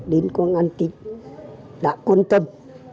đến công an tỉnh đã quan tâm